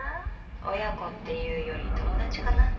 親子っていうより友達かな。